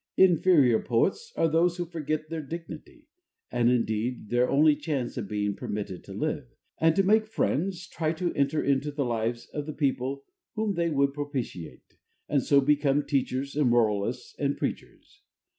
Inferior poets are those who forget their dignity and, indeed, their only chance of being permitted to live and to make friends try to enter into the lives of the people whom they would propitiate, and so become teachers and moralists and preachers.